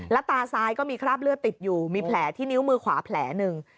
ตาซ้ายก็มีคราบเลือดติดอยู่มีแผลที่นิ้วมือขวาแผลหนึ่ง